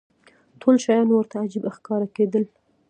ټول شیان ورته عجیبه ښکاره کېدل.